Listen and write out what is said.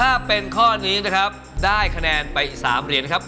ถ้าเป็นข้อนี้นะครับได้คะแนนไป๓เหรียญครับ